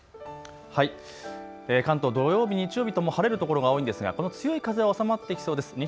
関東、土曜日、日曜日とも晴れる所が多いんですがこの強い風は収まってきそうです。